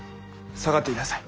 下がっていなさい。